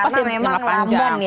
karena memang lamban ya